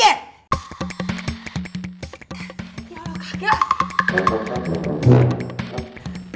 ya allah kaget